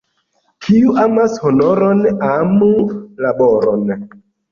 Kiu amas honoron, amu laboron.